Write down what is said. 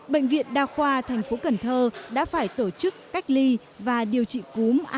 bệnh viện đa khoa thành phố cần thơ đã phải tổ chức cách ly và điều trị cúm a